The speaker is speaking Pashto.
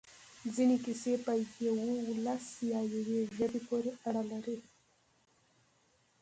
ځینې کیسې په یوه ولس یا یوې ژبې پورې اړه لري.